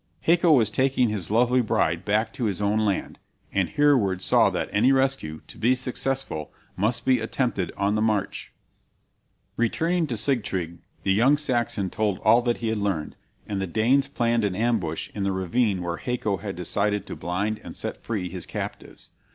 Haco was taking his lovely bride back to his own land, and Hereward saw that any rescue, to be successful, must be attempted on the march. Returning to Sigtryg, the young Saxon told all that he had learned, and the Danes planned an ambush in the ravine where Haco had decided to blind and set free his captives.